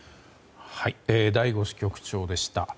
醍醐支局長でした。